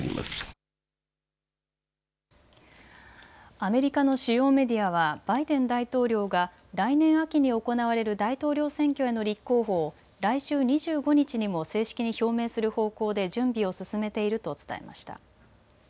アメリカの主要メディアはバイデン大統領が来年秋に行われる大統領選挙への立候補を来週２５日にも正式に表明する方向で準備を進めていると伝えました。